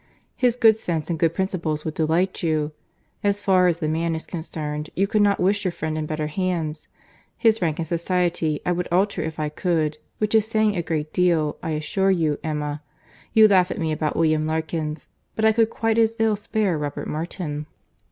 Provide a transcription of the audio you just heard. His good sense and good principles would delight you.—As far as the man is concerned, you could not wish your friend in better hands. His rank in society I would alter if I could, which is saying a great deal I assure you, Emma.—You laugh at me about William Larkins; but I could quite as ill spare Robert Martin."